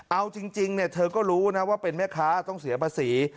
เอาจริงเธอก็รู้นะว่าเป็นแม่ค้าต้องเสียภาษี